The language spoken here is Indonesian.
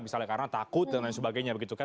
misalnya karena takut dan lain sebagainya